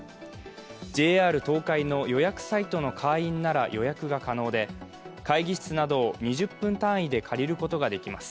ＪＲ東海の予約サイトの会員なら予約が可能で、会議室など２０分単位で借りることができます。